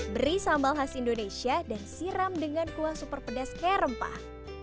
beri sambal khas indonesia dan siram dengan kuah super pedas kayak rempah